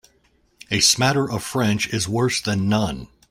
A smatter of French is worse than none.